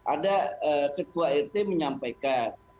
ada ketua rt menyampaikan